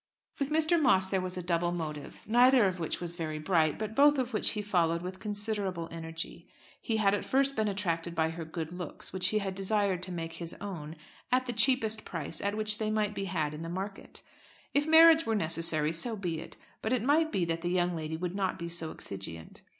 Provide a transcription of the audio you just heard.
With Mr. Moss there was a double motive, neither of which was very bright, but both of which he followed with considerable energy. He had at first been attracted by her good looks, which he had desired to make his own at the cheapest price at which they might be had in the market. If marriage were necessary, so be it, but it might be that the young lady would not be so exigeant.